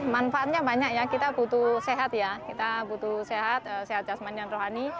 manfaatnya banyak ya kita butuh sehat ya kita butuh sehat sehat jasman dan rohani